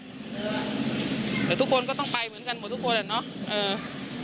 เดี๋ยวทุกคนก็ต้องไปเหมือนกันหมดทุกคนแหละเนาะเออ